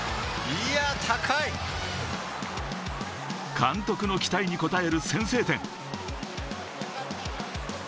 監督の期待にこたえる先制点。